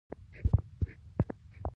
• سترګې د ځواکمنو حواسو په منځ کې ځانګړې دي.